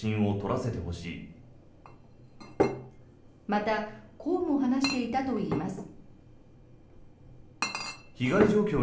またこうも話していたといいます。